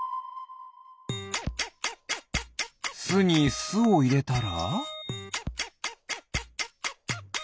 すにすをいれたら？